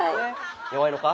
弱いのか？